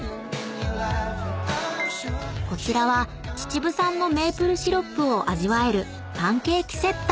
［こちらは秩父産のメープルシロップを味わえるパンケーキセット］